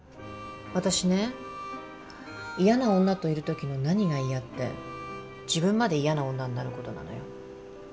私ね嫌な女といる時の何が嫌って自分まで嫌な女になる事なのよ。